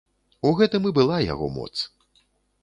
У гэтым і была яго моц.